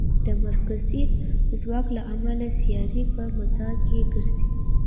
د مرکزي ځواک له امله سیارې په مدار کې ګرځي.